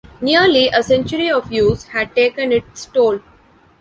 Nearly a century of use had taken its toll.